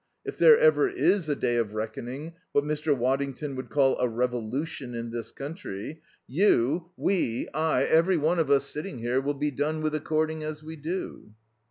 If there ever is a day of reckoning, what Mr. Waddington would call a revolution in this country, you, we, ay, everyone of us sitting here, will be done with according as we do."